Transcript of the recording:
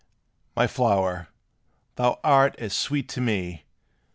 My flower, thou art as sweet to me.